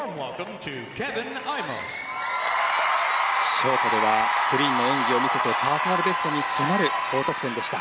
ショートではクリーンな演技を見せてパーソナルベストに迫る高得点でした。